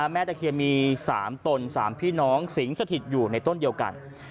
แม่ตะเคียมีสามตนสามพี่น้องสิงค์สถิติอยู่ในต้นเดียวกัน